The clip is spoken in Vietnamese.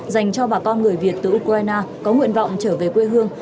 dành cho bà con người việt từ ukraine có nguyện vọng trở về quê hương